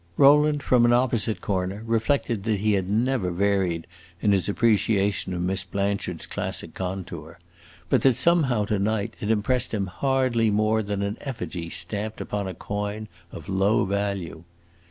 Rowland, from an opposite corner, reflected that he had never varied in his appreciation of Miss Blanchard's classic contour, but that somehow, to night, it impressed him hardly more than an effigy stamped upon a coin of low value.